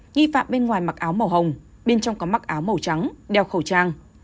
nghi phạm bên ngoài mặc áo màu hồng bên trong có mặc áo màu trắng đeo khẩu trang